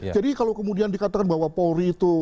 jadi kalau kemudian dikatakan bahwa pauli itu